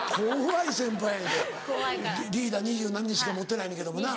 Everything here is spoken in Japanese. リーダー２０何日しか持ってないねんけどもな。